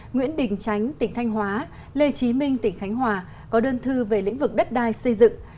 nguyễn đình tránh tỉnh thanh hóa lê trí minh tỉnh khánh hòa có đơn thư về lĩnh vực đất đai xây dựng